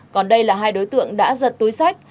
còn đây là hai đối tượng đã giật túi sách